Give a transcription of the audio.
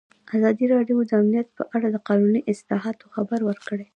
ازادي راډیو د امنیت په اړه د قانوني اصلاحاتو خبر ورکړی.